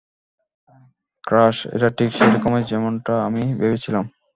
Crash, এটা ঠিক সেরকমই যেমনটা আমি ভেবেছিলাম।